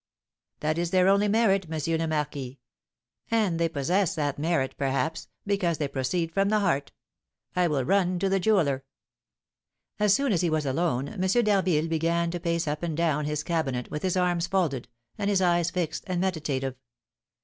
"That is their only merit, M. le Marquis; and they possess that merit, perhaps, because they proceed from the heart. I will run to the jeweller." As soon as he was alone, M. d'Harville began to pace up and down his cabinet, with his arms folded, and his eye fixed and meditative.